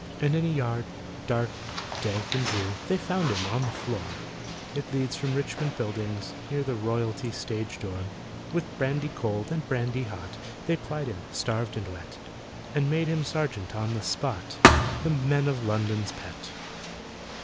And in a yard, dark, dank, and drear, They found him, on the floor— It leads from Richmond Buildings—near The Royalty stage door. With brandy cold and brandy hot They plied him, starved and wet, And made him sergeant on the spot— The Men of London's pet!